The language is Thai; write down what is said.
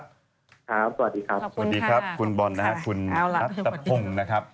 ครับสวัสดีครับขอบคุณค่ะขอบคุณค่ะคุณนัทพงศ์นะครับ